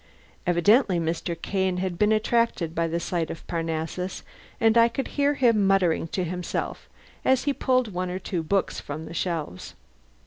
Evidently Mr. Kane had been attracted by the sight of Parnassus, and I could hear him muttering to himself as he pulled one or two books from the shelves.